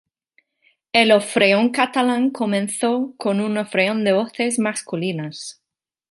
El Orfeón Catalán comenzó como un orfeón de voces masculinas.